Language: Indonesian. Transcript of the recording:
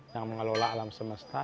yang mengelola alam semesta